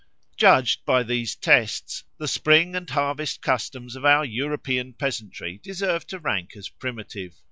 Judged by these tests, the spring and harvest customs of our European peasantry deserve to rank as primitive.